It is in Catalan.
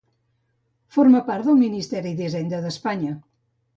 Forma part del Ministeri d'Hisenda d'Espanya.